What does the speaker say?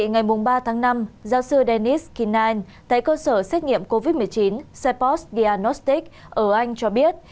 ngày ba tháng năm giáo sư dennis kinnan tại cơ sở xét nghiệm covid một mươi chín cepos diagnostic ở anh cho biết